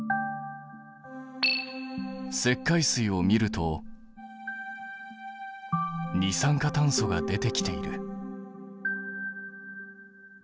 石灰水を見ると二酸化炭素が出てきている。